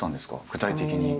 具体的に。